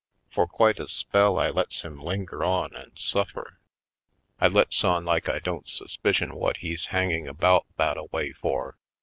For quite a spell I lets him linger on and suffer. I lets on like I don't suspicion what he's hanging about that a way for.